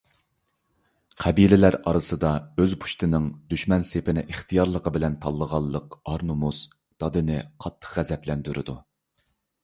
قەبىلە ئارىسىدا ئۆز پۇشتىنىڭ دۈشمەن سېپىنى ئىختىيارلىقى بىلەن تاللىغانلىق ئار - نومۇس دادىنى قاتتىق غەزەپلەندۈرىدۇ.